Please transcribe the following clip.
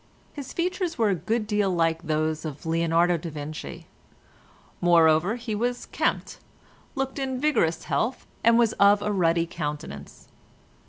His features were a good deal like those of Leonardo da Vinci; moreover he was kempt, looked in vigorous health, and was of a ruddy countenance.